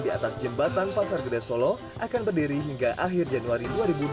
di atas jembatan pasar gede solo akan berdiri hingga akhir januari dua ribu dua puluh